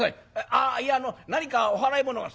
「あっいやあの何かお払いものが？」。